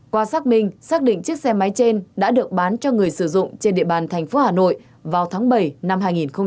qua xác minh xác định chiếc xe máy trên đã được bán cho người sử dụng trên địa bàn thành phố hà nội vào tháng bảy năm hai nghìn một mươi chín